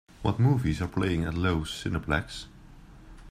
What movies are playing at Loews Cineplex?